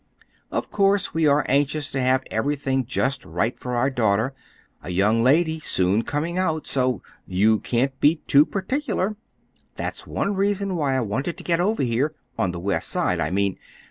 Of course we are anxious to have everything just right for our daughter. A young lady soon coming out, so,—you can't be too particular. That's one reason why I wanted to get over here—on the West Side, I mean.